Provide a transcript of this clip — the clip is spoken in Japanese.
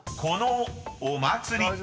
［このお祭り］